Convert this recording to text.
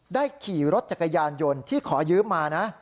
ขี่รถจักรยานยนต์ที่ขอยืมมานะ